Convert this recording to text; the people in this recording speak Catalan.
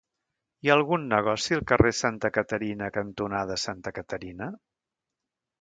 Hi ha algun negoci al carrer Santa Caterina cantonada Santa Caterina?